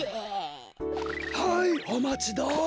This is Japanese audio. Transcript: はいおまちどう。